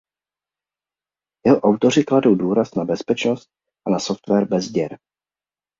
Jeho autoři kladou důraz na bezpečnost a na software bez děr.